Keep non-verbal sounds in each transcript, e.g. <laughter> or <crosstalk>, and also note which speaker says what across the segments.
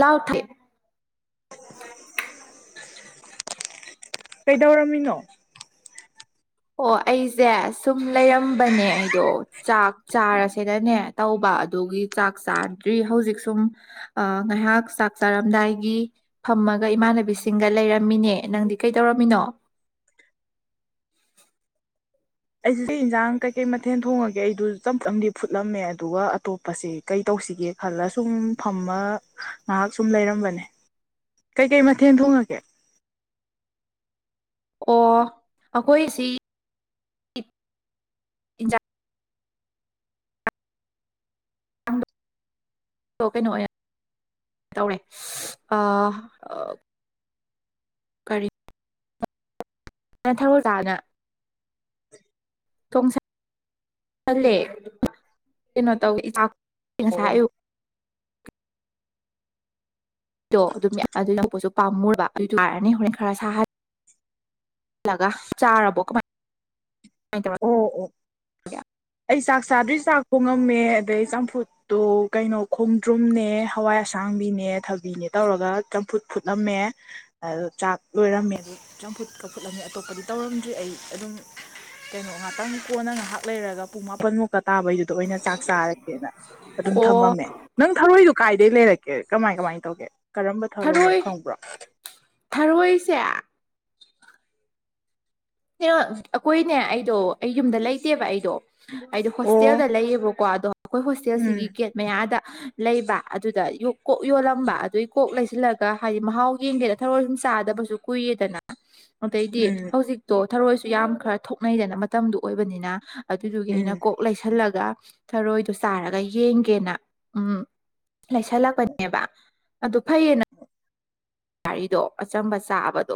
Speaker 1: ꯂꯥꯎꯊꯦꯠ
Speaker 2: <unintelligible> ꯀꯩꯗꯧꯔꯝꯃꯤꯅꯣ
Speaker 1: ꯑꯣ ꯑꯩꯁꯦ ꯁꯨꯝ ꯂꯩꯔꯝꯕꯅꯦ ꯑꯩꯗꯣ ꯆꯥꯛ ꯆꯥꯔꯁꯤꯅꯅꯦ ꯇꯧꯕ ꯑꯗꯨꯒꯤ ꯆꯥꯛ ꯆꯥꯗ꯭ꯔꯤ ꯍꯧꯖꯤꯛ ꯁꯨꯝ ꯑ ꯅꯍꯥꯛ ꯆꯥꯛ ꯆꯥꯔꯝꯗꯥꯏꯒꯤ ꯐꯝꯃꯒ ꯏꯃꯥꯟꯅꯕꯤꯁꯤꯡꯒ ꯂꯩꯔꯝꯃꯤꯅꯦ ꯅꯪꯗꯤ ꯀꯩꯗꯧꯔꯝꯃꯤꯅꯣ
Speaker 2: ꯑꯩꯁꯤꯗꯤ ꯏꯟꯖꯥꯡ ꯀꯩꯀꯩ ꯃꯊꯦꯜ ꯊꯣꯡꯉꯒꯦ ꯑꯩꯗꯨ ꯆꯝꯗꯤ ꯐꯨꯠꯂꯝꯃꯦ ꯑꯗꯨꯒ ꯑꯇꯣꯞꯄꯁꯦ ꯀꯩ ꯇꯧ ꯇꯧꯁꯤꯒꯦ ꯈꯜꯂ ꯁꯨꯝ ꯐꯝꯃ ꯉꯥꯏꯍꯥꯛ ꯁꯨꯝ ꯂꯩꯔꯝꯕꯅꯦ ꯀꯩꯀꯩ ꯃꯊꯦꯜ ꯊꯣꯡꯉꯛꯒꯦ
Speaker 1: ꯑꯣ ꯑꯩꯈꯣꯏꯁꯤꯥꯛ ꯏꯟꯖꯥꯡꯗꯣ
Speaker 2: <unintelligible>
Speaker 1: ꯀꯩꯅꯣ ꯑꯣꯏꯅ ꯇꯧꯔꯦ ꯀꯔꯤ ꯊꯒꯜ ꯇꯥꯅ ꯊꯣꯡꯁꯂꯦ ꯀꯩꯅꯣ ꯇꯧꯋꯦ
Speaker 2: ꯑꯣ ꯑꯣ
Speaker 1: ꯉꯁꯌꯨ ꯣ ꯑꯗꯨꯝ ꯑꯗꯨ ꯂꯧꯕꯁꯨ ꯄꯥꯝꯃꯨꯔꯕ ꯑꯗꯨ ꯌꯥꯔꯅꯤ ꯍꯣꯔꯦꯟ ꯈꯔ ꯁꯥꯍꯜ ꯂꯒ ꯆꯥꯔꯔꯕꯣ ꯀꯃꯥꯏ ꯀꯃꯥꯏꯅ ꯇꯧꯔꯒꯦ
Speaker 2: ꯑꯣ ꯑꯣ ꯑꯩꯁ ꯆꯥꯗ꯭ꯔꯤ ꯆꯥꯛ ꯈꯣꯡꯉꯝꯃꯦ ꯑꯗꯩ ꯆꯝꯐꯨꯠꯇꯣ ꯀꯩꯅꯣ ꯈꯣꯡꯗ꯭ꯔꯨꯝꯅꯦ ꯍꯋꯥꯏ ꯑꯁꯥꯡꯕꯤꯅꯦ ꯊꯕꯤꯅꯦ ꯇꯧꯔꯒ ꯆꯝꯐꯨꯠ ꯐꯨꯠꯂꯝꯃꯦ ꯑ ꯆꯥꯛ ꯂꯣꯏꯔꯝꯃꯦ ꯆꯝꯐꯨꯠꯀ ꯐꯂꯝ ꯑꯗꯨ ꯑꯇꯣꯞꯄꯗꯤ ꯇꯧꯔꯝꯗ꯭ꯔꯤ ꯑꯩ ꯑꯗꯨꯝ ꯀꯩꯅꯣ ꯉꯍꯥꯛꯇꯪ ꯀꯣꯟꯅ ꯉꯥꯏꯍꯥꯛ ꯂꯩꯔꯒ ꯄꯨꯡ ꯃꯥꯄꯟꯃꯨꯛꯀ ꯇꯥꯕꯩꯗꯨꯗ ꯑꯗꯨꯗ ꯑꯣꯏꯅ ꯆꯥꯛ ꯆꯥꯔꯀꯦꯅ ꯑꯗꯨꯝ
Speaker 1: ꯑꯣ
Speaker 2: ꯊꯝꯃꯝꯃꯦ ꯅꯪ ꯊꯔꯣꯏꯗꯣ ꯀꯥꯏꯗꯒꯤꯩ ꯂꯩꯔꯛꯀꯦ ꯀꯃꯥꯏ ꯀꯃꯥꯏꯅ ꯇꯧꯒꯦ ꯀꯔꯝꯕ ꯊꯧꯔꯝꯅꯣ
Speaker 1: ꯊꯔꯣꯏ
Speaker 2: ꯈꯪꯕ꯭ꯔꯣ
Speaker 1: ꯊꯔꯣꯏꯁꯦ ꯑꯩꯈꯣꯏꯅꯦ ꯑꯩꯗꯣ ꯑꯩ ꯌꯨꯝꯗ ꯂꯩꯇꯦꯕ ꯑꯩꯗꯣ ꯑꯩꯗꯤꯣ
Speaker 2: ꯑꯣ
Speaker 1: ꯍꯣꯁꯇꯦꯜꯗ ꯂꯩꯌꯦꯕꯀꯣ ꯑꯗꯣ ꯑꯩꯈꯣꯏ ꯍꯣꯁꯇꯦꯜꯁꯤꯒꯤ
Speaker 2: ꯎꯝ
Speaker 1: ꯒꯦꯠ ꯃꯌꯥꯗ ꯂꯩꯕ ꯑꯗꯨꯗ ꯀꯣꯛ ꯌꯣꯜꯂꯝꯕ ꯑꯗꯨꯒꯤ ꯀꯣꯛ ꯂꯩꯁꯤꯜꯂꯒ ꯍꯥꯏꯗꯤ ꯃꯍꯥꯎ ꯌꯦꯡꯒꯦꯗ ꯊꯔꯑꯣ ꯁꯨꯝ ꯆꯗꯕꯁꯨ ꯀꯨꯏꯦꯗꯅ ꯑꯗꯩꯗꯤ
Speaker 2: ꯎꯝ
Speaker 1: ꯍꯧꯖꯤꯛꯇꯣ ꯊꯔꯣꯏꯁꯨ ꯌꯥꯝ ꯈꯔ ꯊꯣꯛꯅꯩꯗꯅ ꯃꯇꯝꯗꯨ ꯑꯣꯏꯕꯅꯤꯅ ꯑꯗꯨꯗꯨꯒꯤ ꯑꯩꯅ
Speaker 2: ꯎꯝ
Speaker 1: ꯀꯣꯛ ꯂꯩꯁꯜꯂꯒ ꯊꯔꯣꯏꯗꯣ ꯆꯥꯔꯒ ꯌꯦꯡꯒꯦꯅ ꯎꯝ ꯂꯩꯁꯜꯂꯛꯄꯅꯦꯕ ꯑꯗꯨ ꯐꯩꯌꯦꯅ ꯒꯥꯔꯤꯗꯣ ꯑꯆꯝꯕ ꯆꯥꯕꯗꯣ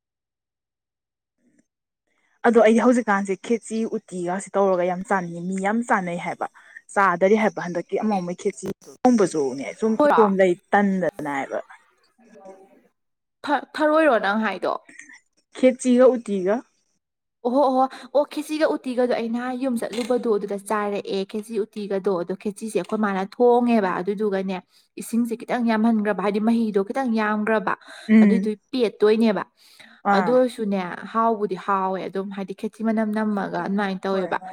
Speaker 2: ꯑꯗꯣ ꯑꯩꯗꯤ ꯍꯧꯖꯤꯛꯀꯥꯟꯁꯦ ꯈꯦꯆ ꯎꯇꯤꯒꯁꯤꯦ ꯇꯧꯔꯒ ꯌꯥꯝ ꯆꯥꯅꯤꯡꯑꯦ ꯃꯤ ꯌꯥꯝ ꯆꯥꯟꯅꯩ ꯍꯥꯏꯕ ꯆꯥꯗꯔꯤ ꯍꯥꯏꯕ ꯍꯟꯗꯛꯀꯤ ꯑꯃꯩ ꯈꯦꯠꯆꯣꯡꯕꯁꯨꯅꯦ ꯁꯨꯝ ꯏꯇꯣꯝ ꯂꯩ ꯇꯟꯗ ꯅꯥꯕ
Speaker 1: ꯊꯔꯣꯏꯔꯣ ꯅꯪ ꯍꯥꯏꯗꯣ
Speaker 2: ꯈꯦꯆꯒ ꯎꯇꯤꯒ
Speaker 1: ꯑꯣꯍꯣ ꯑꯣꯍꯣ ꯑꯣ ꯈꯦꯆꯒ ꯎꯇꯤꯒꯗꯣ ꯑꯩ ꯅꯍ ꯌꯨꯝ ꯆꯠꯂꯨꯕꯗꯣ ꯑꯗꯨꯗ ꯆꯥꯔꯛꯑꯦ ꯈꯦꯆ ꯎꯇꯤꯒꯗꯣ ꯑꯗꯣ ꯈꯦꯆꯁꯦ ꯑꯩꯈꯣꯏ ꯃꯥꯅ ꯊꯣꯡꯉꯦꯕ ꯑꯗꯨꯗꯨꯒꯅꯦ ꯏꯁꯤꯡꯁꯦ ꯈꯤꯇꯪ ꯌꯥꯝꯍꯟꯈ꯭ꯔꯕ ꯍꯥꯏꯗꯤ ꯃꯍꯤꯗꯣ ꯈꯤꯇꯪ ꯌꯥꯝꯈ꯭ꯔꯕ
Speaker 2: ꯎꯝ
Speaker 1: ꯑꯗꯨꯏꯗꯨ ꯄꯦꯠꯇꯣꯏꯅꯦꯕ ꯑꯗꯨ
Speaker 2: ꯑꯥ
Speaker 1: ꯑꯣꯏꯔꯁꯨꯅꯦ ꯍꯥꯎꯕꯨꯗꯤ ꯍꯥꯎꯋꯦ ꯑꯗꯨꯝ ꯍꯥꯏꯗꯤ ꯈꯦꯇꯤ ꯃꯅꯝ ꯅꯝꯃꯒ ꯑꯗꯨꯃꯥꯏꯅ
Speaker 2: ꯍꯣꯏ
Speaker 1: ꯇꯧꯋꯦꯕ
Speaker 2: ꯍꯣꯏ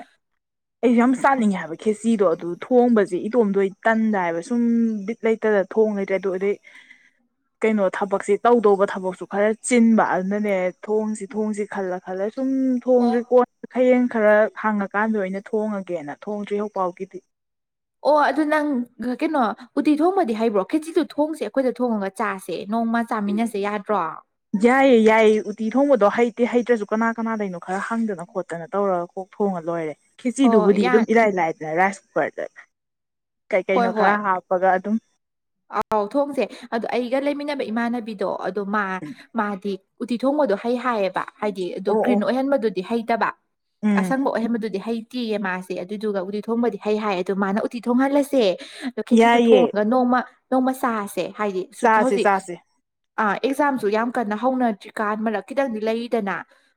Speaker 2: ꯑꯩꯁꯨ ꯌꯥꯝ ꯆꯅꯤꯡꯉꯦ ꯍꯥꯏꯕ ꯈꯦꯆꯗꯣ ꯑꯗꯨ ꯊꯣꯡꯕꯁꯦ ꯏꯇꯣꯝꯗꯣ ꯑꯩ ꯇꯟꯗꯥ ꯍꯥꯏꯕ ꯁꯨꯝ ꯕꯤꯠ ꯂꯩꯇꯗ ꯊꯣꯡꯉ ꯂꯩꯇ꯭ꯔꯦ ꯑꯗꯨ ꯑꯗꯩ <unintelligible> ꯀꯩꯅꯣ ꯊꯕꯛꯁꯦ ꯇꯧꯗꯧꯕ ꯊꯕꯛꯁꯨ ꯈꯔ ꯆꯤꯟꯕ ꯑꯗꯨꯅꯅꯦ ꯊꯣꯡꯁꯤ ꯊꯣꯡꯁꯤ ꯈꯜꯂ ꯈꯜꯂ ꯁꯨꯝ
Speaker 1: ꯑꯣ
Speaker 2: ꯊꯣꯡꯗ꯭ꯔꯤꯀꯣꯟ ꯍꯌꯦꯡ ꯈꯔ ꯍꯥꯡꯉꯀꯥꯟꯗ ꯑꯣꯏꯅ ꯊꯣꯡꯉꯒꯦꯅ ꯊꯣꯡꯗ꯭ꯔꯤ ꯍꯧꯖꯤꯛꯐꯥꯎꯒꯤꯗꯤ
Speaker 1: ꯑꯣ ꯑꯗꯨ ꯅꯪ ꯀꯩꯅꯣ ꯎꯇꯤ ꯊꯣꯡꯕꯗꯤ ꯍꯩꯕ꯭ꯔꯣ ꯈꯦꯖꯤꯗ ꯊꯣꯡꯁꯦ ꯑꯩꯈꯣꯏꯗ ꯊꯣꯡꯉꯒ ꯆꯥꯁꯦ ꯅ ꯅꯣꯡꯃ ꯆꯥꯃꯤꯟꯅꯁꯦ ꯌꯥꯗ꯭ꯔꯣ
Speaker 2: ꯌꯥꯏꯌꯦ ꯌꯥꯏꯌꯦ ꯎꯇꯤ ꯊꯣꯡꯕꯗꯣ ꯍꯩꯇꯦ ꯍꯩꯇ꯭ꯔꯁꯨ ꯀꯅꯥ ꯀꯅꯥꯗꯅꯣ ꯈꯔ ꯍꯪꯗꯅ ꯈꯣꯠꯇꯅ ꯇꯧꯔꯒꯀꯣ ꯊꯣꯡꯉ ꯂꯣꯏꯔꯦ
Speaker 1: ꯍꯣꯏ
Speaker 2: ꯈꯦꯆꯤꯗꯨꯕꯨꯗꯤ
Speaker 1: ꯌꯥ
Speaker 2: ꯑꯗꯨꯝ ꯏꯔꯥꯏ ꯂꯥꯏꯗꯅ ꯔꯥꯏꯁ ꯀꯨꯀꯔꯗ ꯀꯩ
Speaker 1: ꯍꯣꯏ
Speaker 2: ꯀꯩꯅꯣ
Speaker 1: ꯍꯣꯏ
Speaker 2: ꯈꯔ ꯍꯥꯞꯄꯒ ꯑꯗꯨꯝ
Speaker 1: ꯑꯥꯎ ꯊꯣꯡꯁꯦ ꯑꯗꯣ ꯑꯩꯒ ꯂꯩꯃꯤꯟꯅꯕ ꯏꯃꯥꯟꯅꯕꯤꯗꯣ ꯑꯗꯣ ꯃꯥ ꯃꯥꯗꯤ ꯎꯇꯤ ꯊꯣꯡꯕꯗꯣ ꯍꯩ ꯍꯥꯏꯌꯦꯕ ꯍꯥꯏꯗꯤ ꯑꯗꯨ
Speaker 2: ꯑꯣ ꯑꯣ
Speaker 1: ꯒ꯭ꯔꯤꯟ ꯑꯣꯏꯍꯟꯕꯗꯨꯗꯤ ꯍꯩꯇꯕ
Speaker 2: ꯎꯝ
Speaker 1: ꯑꯁꯪꯕ ꯑꯣꯏꯍꯟꯕꯗꯨꯗꯤ ꯍꯩ ꯎꯇꯤꯌꯦ ꯃꯥꯁꯦ ꯑꯗꯨꯗꯨꯒ ꯎꯇꯤ ꯊꯣꯡꯕꯗꯤ ꯍꯩ ꯍꯥꯏ ꯑꯗꯣ ꯃꯥꯅ ꯎꯇꯤ ꯊꯣꯡꯍꯜꯂꯁꯦ ꯑꯗꯣ ꯈꯦꯆꯤꯗꯣ
Speaker 2: ꯌꯥꯏꯌꯦ
Speaker 1: ꯊꯣꯡꯉꯒ ꯅꯣꯡꯃ ꯅꯣꯡꯃ ꯆꯥꯁꯦ ꯍꯥꯏꯗꯤ ꯁꯨꯤ
Speaker 2: ꯆꯥꯁꯦ
Speaker 1: ꯍꯧꯖꯤꯛ
Speaker 2: ꯆꯥꯁꯦ
Speaker 1: ꯑꯥ ꯑꯦꯛꯖꯥꯝꯁꯨ ꯌꯥꯝ ꯀꯟꯅ ꯍꯧꯅꯗ꯭ꯔꯤꯀꯥꯟ ꯃꯔꯛ ꯈꯤꯇꯪꯗꯤ ꯂꯩꯔꯤꯗꯅ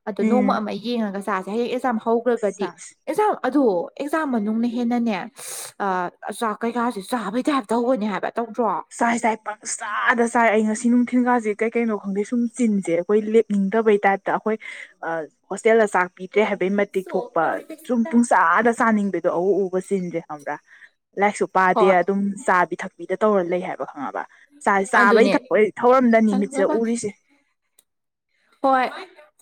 Speaker 1: ꯑꯗꯣ
Speaker 2: ꯎꯝ
Speaker 1: ꯅꯣꯡꯃ ꯑꯃ ꯌꯦꯡꯉꯒ ꯆꯦ ꯍꯦ ꯑꯦꯖꯥꯝ ꯍꯧꯒ꯭ꯔꯒꯗꯤ
Speaker 2: ꯆꯥꯁꯦ
Speaker 1: ꯑꯦꯖꯥ ꯑꯗꯣ ꯑꯦꯛꯖꯥꯝ ꯃꯅꯨꯡꯅ ꯍꯦꯟꯅꯅꯦ ꯆꯥꯛ ꯀꯩꯀꯥꯁꯦ ꯆꯥꯕꯩ ꯇꯥꯏꯞꯇ ꯍꯧꯕꯅꯦ ꯍꯥꯏꯕ ꯇꯧꯗ꯭ꯔꯣ
Speaker 2: ꯆꯥꯏ ꯆꯥꯏ ꯄꯥꯛ ꯆꯥꯗ ꯆꯥꯏ ꯑꯩ ꯉꯁꯤ ꯅꯨꯡꯊꯤ ꯁꯦꯟꯒꯥꯥꯁꯦ ꯀꯩ ꯀꯩꯅꯣ ꯈꯪꯗꯦ ꯁꯨꯝ ꯆꯤꯟꯁꯦ ꯑꯩꯈꯣꯏ ꯂꯦꯞꯅꯤꯡꯗꯕꯩ ꯇꯥꯏꯞꯇ ꯑꯩꯈꯣꯏ ꯍꯣꯁꯇꯦꯜꯗ ꯆꯥꯛ ꯄꯤꯗ꯭ꯔꯦ ꯍꯥꯏꯕꯩ ꯃꯇꯤꯛ ꯊꯣꯛꯄ ꯁꯨꯝ ꯄꯨꯡ ꯆꯥꯗ ꯆꯥꯅꯤꯡꯕꯗꯣ ꯑꯎ ꯎꯕ ꯆꯤꯟꯗ꯭ꯔꯦ ꯈꯪꯕ꯭ꯔꯥ ꯂꯥꯏꯔꯤꯛꯁꯨ ꯄꯥꯗꯦ
Speaker 1: ꯍꯣꯏ
Speaker 2: ꯑꯗꯨꯝ ꯆꯥꯕꯤ ꯊꯛꯄꯤꯗ ꯇꯧꯔ ꯂꯩ ꯍꯥꯏꯕ ꯈꯪꯉꯕ ꯆꯥꯕꯩ
Speaker 1: ꯑꯗꯨꯅꯦ
Speaker 2: ꯊꯄ ꯊꯧꯔꯝꯗꯅꯤ ꯃꯤꯠꯁꯦ
Speaker 1: ꯆꯥꯅꯤꯡꯉꯕ
Speaker 2: ꯎꯔꯤꯁꯦ
Speaker 1: ꯍꯣꯏ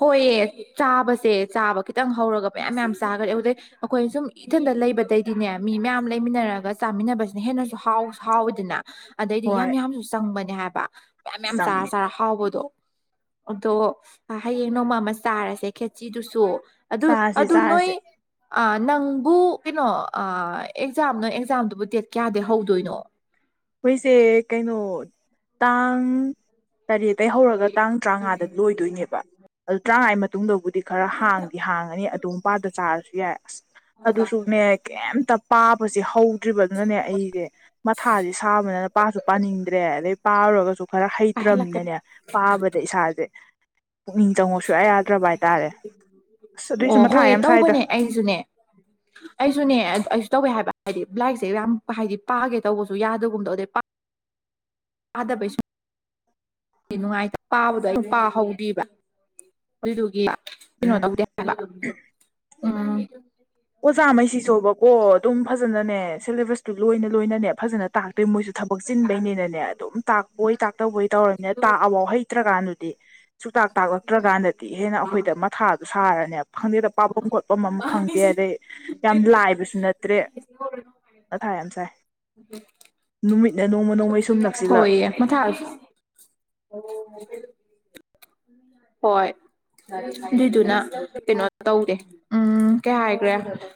Speaker 1: ꯍꯣꯏꯌꯦ ꯆꯥꯕꯁꯦ ꯆꯥꯕ ꯈꯤꯇꯪ ꯍꯧꯔꯒ ꯃꯌꯥꯝ ꯃꯌꯥꯝ ꯆꯥꯈ꯭ꯔꯦ ꯑꯗꯨꯗꯩ ꯑꯩꯈꯣꯏ ꯁꯨꯝ ꯏꯊꯟꯗ ꯂꯩꯕꯗꯩꯗꯤꯅꯦ ꯃꯤ ꯃꯌꯥꯝ ꯂꯩꯃꯤꯟꯅꯔꯒ ꯆꯥꯃꯤꯟꯅꯕꯁꯤꯅ ꯍꯦꯟꯅꯁꯨ ꯍꯥꯎꯁꯨ ꯍꯥꯎꯋꯤꯗꯅ ꯑꯗꯩꯗꯤ
Speaker 2: ꯍꯣꯏ
Speaker 1: ꯌꯥꯝ ꯌꯥꯝꯁꯨ ꯆꯪꯕꯅꯦ ꯍꯥꯏꯕ ꯃꯌꯥꯝ ꯃꯌꯥꯝ ꯆꯥꯔ
Speaker 2: ꯆꯪꯉꯦ
Speaker 1: ꯆꯥꯔ ꯍꯥꯎꯕꯗꯣ ꯎ ꯑꯗꯣ ꯍꯌꯦꯡ ꯅꯣꯡꯃꯃ ꯆꯥꯔꯁꯦ ꯈꯦꯆꯤꯗꯨꯁꯨ ꯑꯗꯨ
Speaker 2: ꯆꯥꯔꯁꯦ
Speaker 1: ꯑꯗꯨ ꯅꯣꯏꯣꯏ
Speaker 2: ꯆꯥꯔꯁꯦ
Speaker 1: ꯑ ꯅꯪꯕꯨ ꯀꯩꯅꯣ ꯑꯦꯛꯖꯥꯝ ꯅ ꯑꯦꯛꯖꯥꯝꯗꯨꯕꯨ ꯗꯦꯠ ꯀꯌꯥꯗ ꯍꯧꯗꯣꯏꯅꯣ
Speaker 2: ꯑꯩꯈꯣꯏꯁꯦ ꯀꯩꯅꯣ ꯇꯥꯡ ꯇꯔꯦꯠ ꯑꯇꯩꯩ ꯍꯧꯔꯒ ꯇꯥꯡ ꯇꯔꯥꯃꯉꯥꯗ ꯂꯣꯏꯗꯣꯏꯅꯦꯕ ꯑꯗꯨ ꯇꯔꯥꯉꯩ ꯃꯇꯨꯡꯗꯕꯨꯗꯤ ꯈꯔ ꯍꯥꯡꯗꯤ ꯍꯥꯡꯉꯅꯤ ꯑꯗꯨ ꯃꯄꯥꯗ ꯆꯥꯔꯁꯨ ꯌꯥꯏ ꯑꯁ ꯑꯗꯨꯁꯨꯅꯦ ꯀꯩꯝꯇ ꯄꯥꯕꯁꯦ ꯍꯧꯗ꯭ꯔꯤꯕꯗꯨꯅꯅꯦ ꯑꯩꯁꯦ ꯃꯊꯥꯗꯤ ꯄꯥꯕꯅꯤꯅ ꯄꯥꯁꯨ ꯄꯥꯅꯤꯡꯗ꯭ꯔꯦ ꯑꯗꯩ ꯄꯥꯔꯨꯔꯒꯁꯨ ꯈꯔ
Speaker 1: ꯍꯥꯏꯍꯜꯂꯛꯀꯅꯤ
Speaker 2: ꯍꯩꯇ꯭ꯔꯝꯅꯅꯦ ꯄꯥꯕꯗ ꯏꯁꯥꯁꯦ ꯄꯨꯛꯅꯤꯡ ꯆꯪꯉꯣ ꯁꯨꯡꯌꯥ ꯌꯥꯗ꯭ꯔꯕ ꯍꯥꯏꯇꯥꯔꯦ ꯑꯁ ꯑꯗꯨꯏꯁꯨ
Speaker 1: ꯑꯣ
Speaker 2: ꯃꯊꯥ
Speaker 1: ꯍꯣꯏ
Speaker 2: ꯌꯥꯝ ꯁꯥꯏꯗ
Speaker 1: ꯇꯧꯕꯅꯦ ꯑꯩꯁꯨꯅꯦ ꯑꯩꯁꯨꯅꯦ ꯑꯩꯁꯨ ꯇꯧꯋꯦ ꯍꯥꯏꯕ ꯍꯥꯏꯗꯤ ꯂꯥꯏꯔꯤꯛꯁꯦ ꯌꯥꯝ ꯍꯥꯏꯗꯤ ꯄꯥꯒꯦ ꯇꯧꯕꯁꯨ ꯌꯥꯗꯒꯨꯝꯗꯣ ꯑꯗꯨꯗꯩ ꯑꯥꯗ ꯄꯩꯁ ꯅꯨꯡꯉꯥꯏꯇ ꯄꯥꯕꯗꯣ ꯑꯩꯝ ꯄꯥꯍꯧꯗ꯭ꯕ ꯑꯗꯨꯏꯗꯨꯒꯤ ꯣ
Speaker 2: ꯎꯝ
Speaker 1: ꯇ ꯎꯝ
Speaker 2: ꯃꯆꯥꯉꯩꯁꯤꯁꯨꯕꯀꯣ ꯑꯗꯨꯝ ꯐꯖꯅꯅꯦ ꯁꯦꯂꯦꯕꯁꯇꯨ ꯂꯣꯏꯅ ꯂꯣꯏꯅꯅꯦ ꯐꯖꯅ ꯇꯥꯛꯀꯦ ꯑꯩ ꯃꯣꯏꯁꯨ ꯊꯕꯛ ꯆꯤꯟꯕꯩꯅꯤꯅꯅꯦ ꯑꯗꯨꯝ ꯇꯥꯛꯄꯣꯏ ꯇꯥꯛꯇꯕꯣꯏ ꯇꯧꯔꯕꯅꯤꯅ ꯇꯥꯛ ꯑꯕꯥꯎꯍꯩ ꯆꯠꯇ꯭ꯔꯀꯥꯟꯗꯗꯤ ꯁꯨꯇꯥꯛ ꯇꯥꯛꯂꯛꯇ꯭ꯔꯀꯥꯟꯗꯗꯤ ꯍꯦꯟꯅ ꯑꯩꯈꯣꯏꯗ ꯃꯊꯥꯗꯣ ꯁꯥꯔꯅꯦꯕ ꯈꯪꯗꯦꯗ ꯄꯥꯐꯝꯝ ꯈꯣꯠꯄ ꯑꯃ ꯈꯪꯗꯦ ꯑꯗꯩ ꯌꯥꯝ ꯂꯥꯏꯕꯁꯨ ꯅꯠꯇ꯭ꯔꯦ ꯑꯊꯥ ꯌꯥꯝ ꯆꯥꯏ ꯅꯨꯃꯤꯠ
Speaker 1: ꯍꯣꯏꯌꯦ ꯃꯊꯥꯁ ꯍꯣꯏ ꯑꯗꯨꯏꯗꯨꯅ ꯀꯩꯅꯣ ꯇꯧꯗꯦ ꯎꯝ ꯀꯩ ꯍꯥꯏꯈ꯭ꯔꯦ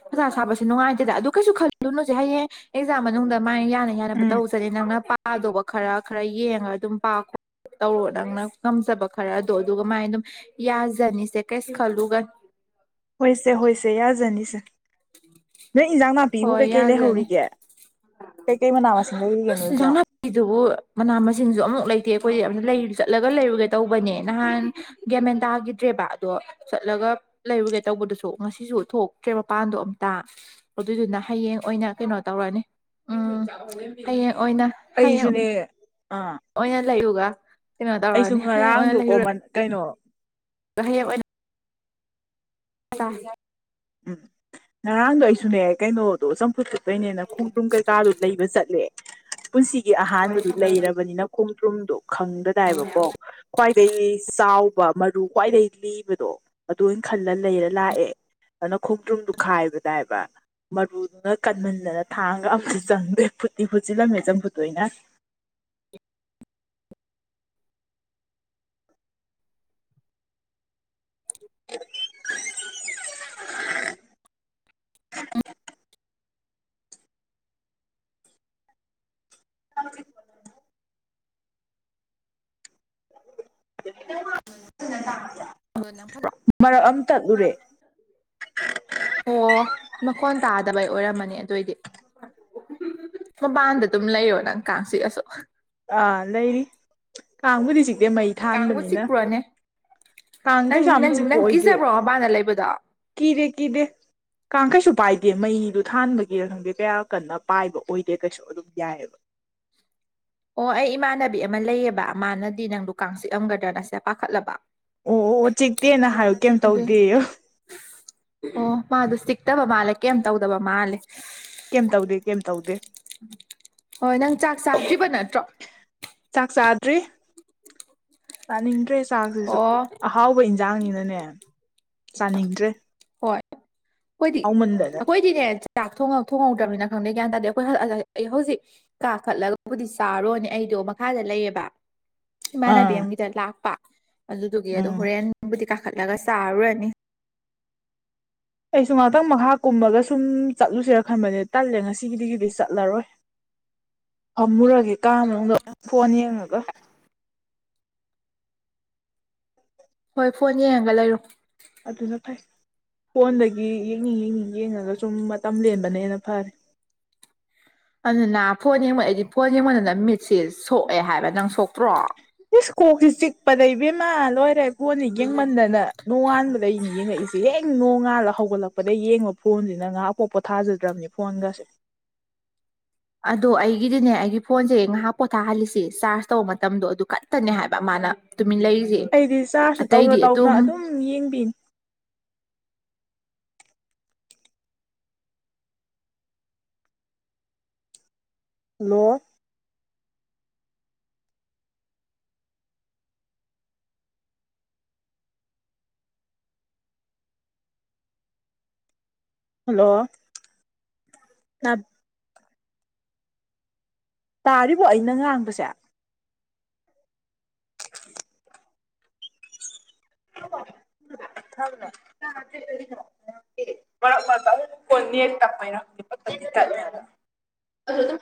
Speaker 1: ꯑꯣꯖꯥ ꯁꯥꯕꯁꯦ ꯅꯨꯡꯉꯥꯏ ꯦꯗ ꯑꯗꯨ ꯀꯩꯁꯨ ꯈꯜꯂꯨꯅꯨꯁꯦ ꯍꯌꯦꯡ ꯑꯦꯛꯖꯥꯝ ꯃꯅꯨꯡꯗ ꯃꯥꯥꯏꯅ ꯌꯥꯅ ꯌꯥꯅꯕ
Speaker 2: ꯎꯝ
Speaker 1: ꯇꯧꯁꯔꯦ ꯅꯪꯅ ꯄꯥꯗꯧꯕ ꯈꯔ ꯈꯔ ꯌꯦꯡꯉ ꯑꯗꯨꯝ ꯄꯥ ꯈꯣꯠ ꯇꯧꯔꯣ ꯅꯪꯅ ꯉꯝꯖꯕ ꯈꯔ ꯑꯗꯣ ꯑꯗꯨꯒ ꯃꯥꯏ ꯑꯗꯨꯝ ꯌꯥꯖꯅꯤꯁꯦ ꯀꯩꯁ ꯈꯜꯂꯨꯒ
Speaker 2: ꯍꯣꯏꯁꯦ ꯍꯣꯏꯁꯦ ꯌꯥꯖꯅꯤꯁꯦ ꯅꯣꯏ ꯏꯟꯖꯥꯡ ꯅꯥꯄꯤꯕꯨ
Speaker 1: ꯍꯣꯏ
Speaker 2: ꯀꯩꯀꯩ
Speaker 1: ꯌꯥꯖꯅꯤ
Speaker 2: ꯂꯩꯍꯧꯔꯤꯒꯦ ꯀꯩꯀꯩ ꯃꯅꯥ ꯃꯁꯤꯡ ꯂꯩꯔꯤꯒꯦ
Speaker 1: ꯑꯁ
Speaker 2: ꯅꯣꯏꯕꯣ
Speaker 1: ꯏꯟꯁꯥꯡ ꯅꯥꯄꯤꯗꯨꯕꯨ ꯃꯅꯥ ꯃꯁꯤꯡꯁꯨ ꯑꯃꯨꯛ ꯂꯩꯇꯦ ꯑꯩꯈꯣꯏꯁ ꯌꯥꯝꯅ ꯂꯩ ꯆꯠꯂꯒ ꯂꯩꯔꯨꯒꯦ ꯇꯧꯕꯅꯦ ꯅꯍꯥꯟ ꯒꯦꯃꯦꯟ ꯇꯥꯒꯤꯗ꯭ꯔꯦꯕ ꯑꯗꯣ ꯆꯠꯂꯒ ꯂꯩꯔꯨꯒꯦ ꯇꯧꯕꯗꯨꯁꯨ ꯉꯁꯤꯁꯨ ꯊꯣꯛꯇ꯭ꯔꯦ ꯃꯄꯥꯟꯗꯣ ꯑꯝꯇ ꯑꯗꯨꯏꯗꯨꯅ ꯍꯌꯦꯡ ꯑꯣꯏꯅ ꯀꯩꯅꯣ ꯇꯧꯔꯅꯤ ꯎꯝ ꯍꯌꯦꯡ ꯑꯣꯏꯅ ꯍꯌꯦꯡ
Speaker 2: ꯑꯩꯁꯨꯅꯦ ꯑꯥ
Speaker 1: ꯂꯩꯌꯨꯒ ꯀꯩꯅꯣ
Speaker 2: ꯑꯩꯁꯨ
Speaker 1: ꯇꯧꯔꯛꯅꯤ ꯍꯌꯦꯡ ꯑꯣꯏꯅ
Speaker 2: ꯉꯔꯥꯡꯗꯣ
Speaker 1: ꯂꯩꯔꯨꯔꯦ
Speaker 2: ꯀꯣꯃꯟ ꯀꯩꯅꯣ
Speaker 1: ꯀꯅꯤ ꯑ
Speaker 2: ꯎꯝ ꯉꯔꯥꯡꯗꯣ ꯑꯩꯁꯨꯅꯦ ꯀꯩꯅꯣꯗꯣ ꯆꯝꯐꯨꯠꯇ ꯑꯗꯨꯣꯏꯅꯦꯅ ꯈꯣꯡꯗ꯭ꯔꯨꯝ ꯀꯩꯀꯥꯗꯨꯣ ꯂꯩꯕ ꯆꯠꯂꯦ ꯄꯨꯟꯁꯤꯒꯤ ꯑꯍꯥꯟꯕꯗꯨ ꯂꯩꯔꯕꯅꯤꯅ ꯈꯣꯡꯗ꯭ꯔꯨꯝꯗꯣ ꯈꯪꯒꯗꯥꯏꯕꯀꯣ ꯈ꯭ꯋꯥꯏ ꯑꯩ ꯆꯥꯎꯕ ꯃꯔꯨ ꯈ꯭ꯋꯥꯏꯗꯒꯤꯩ ꯂꯤꯕꯗꯣ ꯑꯗꯨ ꯑꯣꯏꯅ ꯈꯜꯂ ꯂꯩꯔ ꯂꯥꯛꯑꯦ ꯑꯗꯨꯅ ꯈꯣꯡꯗ꯭ꯔꯨꯝꯗꯨ ꯈꯥꯏꯕꯗꯥꯏꯕ ꯃꯔꯨꯗꯨꯅ ꯀꯟꯃꯟꯗꯅ ꯊꯥꯡꯒ ꯑꯝꯁꯨ ꯆꯪꯗꯦ ꯐꯨꯠꯇꯤ ꯐꯨꯠꯆꯤꯜꯂꯝꯃꯦ ꯆꯪꯐꯨꯠꯇꯣꯏꯅ <inaudible> <inaudible> <inaudible> ꯅꯗ
Speaker 1: ꯐ ꯑꯣ ꯃꯈꯣꯟ ꯇꯥꯗꯕꯩ ꯑꯣꯏꯔꯝꯃꯅꯤ ꯑꯗꯨꯑꯣꯏꯗꯤ ꯃꯄꯥꯟꯗ ꯑꯗꯨꯝ ꯂꯩꯌꯣ ꯅꯪ ꯀꯥꯡꯁꯤꯒꯁꯨ
Speaker 2: ꯑꯥ ꯂꯩꯔꯤ ꯀꯥꯡꯕꯨꯗꯤ ꯆꯤꯛꯇꯤ ꯃꯩ
Speaker 1: ꯀꯥꯡꯕꯨ
Speaker 2: ꯊꯥꯟꯕꯅꯤꯅ
Speaker 1: ꯆꯤꯛꯄ꯭ꯔꯣꯅꯦ ꯅꯪ
Speaker 2: ꯀꯥꯡꯈꯩꯁ ꯌꯥꯝ
Speaker 1: ꯅꯪ ꯅꯪ
Speaker 2: ꯆꯤꯄꯣꯛ ꯑꯣꯏꯗꯦ
Speaker 1: ꯀꯤꯖꯕ꯭ꯔꯣ ꯃꯄꯥꯟꯗ ꯂꯩꯕꯗꯣ
Speaker 2: ꯀꯤꯗꯦ ꯀꯤꯗꯦ ꯀꯥꯡꯈꯩꯁꯨꯨꯞ ꯄꯥꯏꯗꯦ ꯃꯩꯗꯨ ꯊꯥꯟꯕꯒꯤ ꯈꯪꯗꯦ ꯀꯌꯥ ꯀꯟꯅ ꯄꯥꯏꯕ ꯑꯣꯏꯗꯦ ꯀꯩꯁꯨ ꯑꯗꯨꯝ ꯌꯥꯏꯑꯕ <inaudible>
Speaker 1: ꯑꯣ ꯑꯩ ꯏꯃꯥꯟꯅꯕꯤ ꯑꯃ ꯂꯩꯑꯕ ꯃꯥꯅꯗꯤ ꯅꯪ ꯀꯥꯡ ꯆꯤꯛꯑꯝꯒꯗ꯭ꯔꯥ ꯅꯁꯦ ꯄꯥꯈꯠꯂꯕ
Speaker 2: ꯑꯣ ꯑꯣ ꯆꯦꯛꯇꯦꯅ ꯍꯥꯏꯌꯨ ꯀꯩꯝ
Speaker 1: ꯑꯗꯨꯏ
Speaker 2: ꯇꯧꯗꯦ
Speaker 1: ꯑꯣ ꯃꯥꯗꯣ ꯆꯤꯛꯇꯕ ꯃꯥꯜꯂꯦ ꯀꯩꯝ ꯇꯧꯗꯕ ꯃꯥꯜꯂꯦ
Speaker 2: ꯀꯩꯝ ꯇꯧꯗꯦ ꯀꯩꯝ ꯇꯧꯗꯦ
Speaker 1: ꯍꯣꯏ ꯅꯪ ꯆ ꯆꯥꯛꯤꯅꯠ
Speaker 2: ꯆꯥꯛ ꯆꯥꯗ꯭ꯔꯦ ꯆꯥꯅꯤꯡꯗ꯭ꯔꯦ ꯆꯥꯛꯁꯤꯁꯨ
Speaker 1: ꯑꯣ
Speaker 2: ꯑꯍꯥꯎꯕ ꯏꯟꯁꯥꯡꯅꯤꯅꯅꯦ ꯆꯥꯅꯤꯡꯗ꯭ꯔꯦ
Speaker 1: ꯍꯣꯏ ꯑꯩꯈꯣꯏꯗꯤ
Speaker 2: ꯍꯥꯎꯃꯟꯗꯅ
Speaker 1: ꯑꯩꯈꯣꯏꯗꯤ ꯥꯛ ꯊꯣꯡꯍꯧꯗ꯭ꯔꯕꯅꯤꯅ ꯈꯪꯗꯦ ꯒ꯭ꯌꯥꯟ ꯇꯥꯔꯗꯤ ꯑꯩꯈꯣꯏ ꯑꯩ ꯍꯧꯖꯤꯛ ꯀꯥꯈꯠꯂꯒꯕꯨꯗꯤ ꯆꯥꯔꯣꯅꯦ ꯑꯩ ꯑꯩꯗꯣ ꯃꯈꯥꯗ ꯂꯩꯌꯦꯕ ꯏꯃꯥꯟꯅꯕꯤ
Speaker 2: ꯑꯥ
Speaker 1: ꯑꯃꯒꯤꯗ ꯂꯥꯛꯄ ꯑꯗꯨꯗꯨꯒꯤ ꯑꯗꯣ
Speaker 2: ꯎꯝ
Speaker 1: ꯍꯣꯔꯦꯟꯕꯨꯗꯤ ꯀꯥꯈꯠꯂꯒ ꯆꯥꯔꯨꯔꯅꯤ
Speaker 2: ꯑꯩꯁꯨ ꯉꯍꯥꯛꯇꯪ ꯃꯈꯥ ꯀꯨꯝꯃꯒ ꯁꯨꯝ ꯆꯠꯂꯨꯁꯤꯔ ꯈꯟꯕꯅꯦ ꯇꯜꯂꯦ ꯉꯁꯤꯒꯤꯗꯒꯤꯗꯤ ꯆꯠꯂꯔꯣꯏ ꯑꯃꯃꯨꯔꯒꯦ ꯀꯥ ꯃꯅꯨꯡꯗ ꯅ ꯐꯣꯟ ꯌꯦꯡꯉꯒ
Speaker 1: ꯍꯣꯏ ꯐꯣꯟ ꯌꯦꯡꯉꯒ ꯂꯩꯔꯣ
Speaker 2: ꯑꯗꯨꯅ ꯐꯥꯏ ꯐꯣꯟꯗꯒꯤ ꯌꯦꯡꯅꯤꯡ ꯌꯦꯡꯅꯤꯡ ꯌꯦꯡꯉꯒ ꯁꯨꯝ ꯃꯇꯝ ꯂꯦꯟꯕꯅꯦꯅ ꯐꯔꯦ
Speaker 1: ꯑꯗꯨꯅ ꯐꯣꯟ ꯌꯦꯡꯕ ꯑꯩꯗꯤ ꯐꯣꯟ ꯌꯦꯡꯕꯣꯟꯗꯅ ꯃꯤꯠꯁꯦ ꯁꯣꯛꯑꯦ ꯍꯥꯏꯕ ꯅꯪ ꯁꯣꯛꯇ꯭ꯔꯣ
Speaker 2: ꯏꯁ ꯏꯁ ꯀꯣꯛꯁꯤ ꯆꯤꯛꯄ ꯂꯩꯕꯦꯝꯃ ꯂꯣꯏ ꯀꯣꯟꯅꯤ ꯌꯦꯡꯃꯟꯗꯅ ꯅꯣꯡꯉꯥꯟꯕꯗꯅꯤ ꯌꯦꯡꯉꯛꯏꯁꯦ ꯍꯣꯡ ꯇꯉꯥꯜꯂꯒ ꯍꯧꯒꯠꯂꯛꯄꯗ ꯌꯦꯡꯉꯕ ꯐꯣꯟꯁꯤꯅ ꯉꯥꯏꯍꯥꯛ ꯄꯣꯛ ꯄꯣꯊꯥꯖꯗ꯭ꯔꯕꯅꯤ ꯐꯣꯟꯒꯁꯦ
Speaker 1: ꯑꯗꯣ ꯑꯩꯒꯤꯗꯤꯅꯦ ꯑꯩꯒꯤ ꯐꯣꯟꯁꯦ ꯉꯥꯏꯍꯥꯛ ꯄꯣꯊꯥꯍꯜꯂꯤꯁꯤ ꯆꯥꯔꯖ ꯇꯧꯕ ꯃꯇꯝꯗꯣ ꯑꯗꯨ ꯈꯠꯇꯅꯦ ꯍꯥꯏꯕ ꯃꯥꯅ ꯃꯤ ꯂꯩꯁꯦ
Speaker 2: ꯑꯩꯗꯤ ꯆꯥꯔꯖꯁꯨ ꯇꯧꯅ
Speaker 1: ꯑꯇꯩꯗꯤ
Speaker 2: ꯇꯧꯅ
Speaker 1: ꯑꯗꯨꯝ
Speaker 2: ꯌꯦꯡꯕꯤꯅꯤ ꯅ ꯍꯜꯂꯣ ꯑ ꯇꯥꯔꯤꯕꯣ ꯑꯩꯅ ꯉꯥꯡꯕꯁꯦ ꯊ ꯛ ꯐꯣꯟ ꯇꯄꯥꯏꯅ ꯑꯗꯨ ꯑꯗꯨ